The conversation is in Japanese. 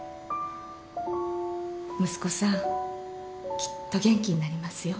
息子さんきっと元気になりますよ。